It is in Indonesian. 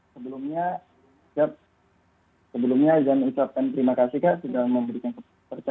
sebelumnya sejujurnya adzan ucapkan terima kasih kan sudah memberikan percaya